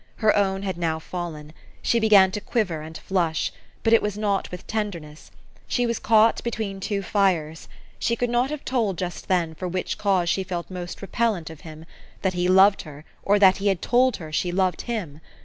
Her own had now fallen. She began to quiver and flush, but it was not with tenderness. She was caught between two fires. She could not have told just then for which cause she felt most repellant of him, that he loved her, or that he had told her she loved him.